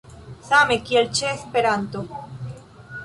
Same kiel ĉe Esperanto.